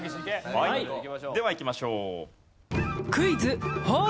はいではいきましょう。